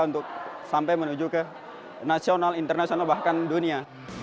untuk sampai menuju ke nasional internasional bahkan dunia